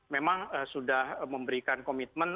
memang sudah memberikan komitmen